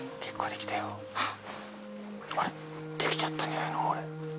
できちゃったんじゃないの俺。